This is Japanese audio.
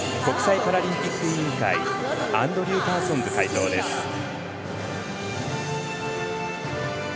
ＩＰＣ＝国際パラリンピック委員会アンドリュー・パーソンズ会長です。